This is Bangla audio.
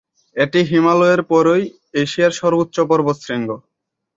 এটি হিমালয়ের পরই এশিয়ার সর্বোচ্চ পর্বতশৃঙ্গ।